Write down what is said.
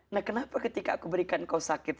nah kenapa ketika aku berikan kau sakit